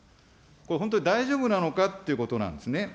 これ、本当に大丈夫なのかということなんですね。